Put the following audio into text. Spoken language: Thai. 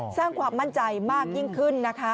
สร้างความมั่นใจมากยิ่งขึ้นนะคะ